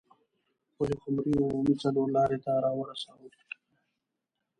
د پلخمري عمومي څلور لارې ته راورسوه.